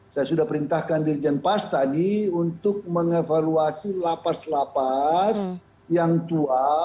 saya sudah perintahkan dirjen pas tadi untuk mengevaluasi lapas lapas yang tua